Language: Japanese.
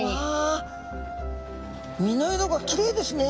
身の色がきれいですね。